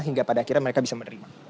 hingga pada akhirnya mereka bisa menerima